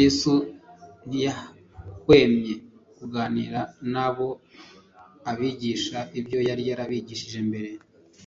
Yesu ntiyahwemye kuganira n'abo abigisha ibyo yari yarabigishije mbere.